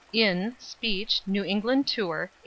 (In, speech, New England tour, 1860.)